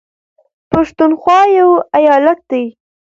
پښنونخوا يو ايالت دى